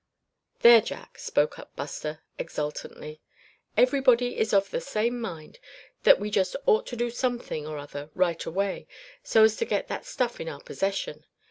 "There, Jack," spoke up Buster, exultantly, "everybody is of the same mind, that we just ought to do something or other right away, so's to get that stuff in our possession.